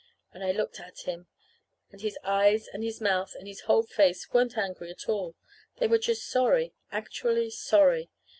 And I looked at him, and his eyes and his mouth and his whole face weren't angry at all. They were just sorry, actually sorry.